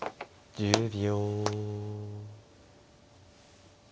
１０秒。